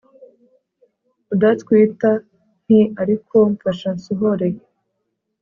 udatwitantiariko mfasha nsohore